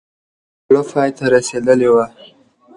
جګړه پای ته رسېدلې وه.